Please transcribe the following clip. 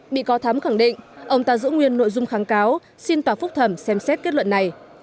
bị cáo thắm khẳng định ông ta giữ nguyên nội dung kháng cáo xin tòa phúc thẩm xem xét kết luận này